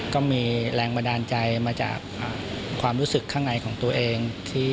ก็มีแรงบันดาลใจมาจากความรู้สึกข้างในของตัวเอง